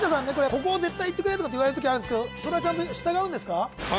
ここを絶対いってくれとかって言われる時あるんですけどそれはちゃんと従うんですか？